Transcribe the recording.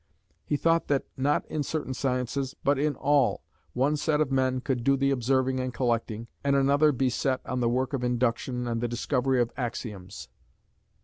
He thought that, not in certain sciences, but in all, one set of men could do the observing and collecting, and another be set on the work of Induction and the discovery of "axioms."